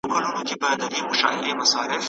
¬ ته حرکت وکه، زه به برکت وکم.